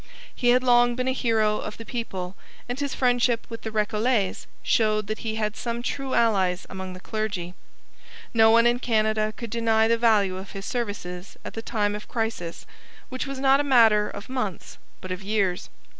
He had long been a hero of the people, and his friendship with the Recollets shows that he had some true allies among the clergy. No one in Canada could deny the value of his services at the time of crisis which was not a matter of months but of years.